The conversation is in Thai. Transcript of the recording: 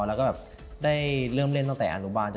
แล้วก็แบบได้เริ่มเล่นตั้งแต่อนุบาล